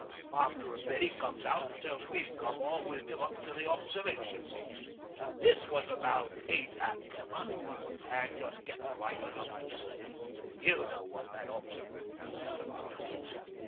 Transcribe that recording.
After a bit 'e comes out an' tells me to come on wi' him up to the Observation Post. This was about eight ac emma [A.M.], an' just gettin' light enough to see. You know what that Observin' Post of ours is.